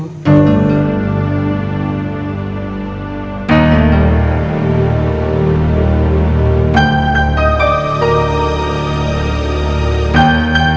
sebelum dia menceraikan ibu kamu